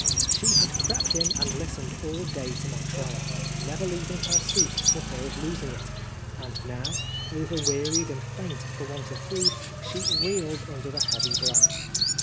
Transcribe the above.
She had crept in and listened all day to my trial, never leaving her seat for fear of losing it ; and now, overwearied and faint for want of food, she reeled under the heavy blow.